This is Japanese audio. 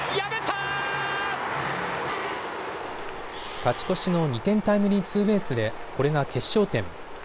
勝ち越しの２点タイムリーツーベースでこれが決勝点。